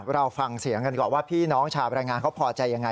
เราฟังเสียงกันก่อนว่าพี่น้องชาวแรงงานเขาพอใจยังไง